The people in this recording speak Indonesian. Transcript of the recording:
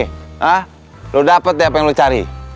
hah lo dapet deh apa yang lo cari